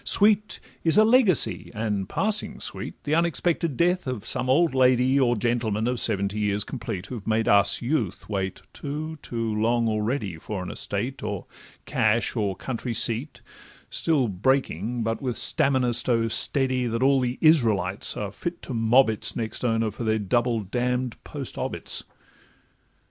Sweet is a legacy, and passing sweet The unexpected death of some old lady Or gentleman of seventy years complete, Who've made 'us youth' wait too—too long already For an estate, or cash, or country seat, Still breaking, but with stamina so steady That all the Israelites are fit to mob its Next owner for their double damn'd post obits.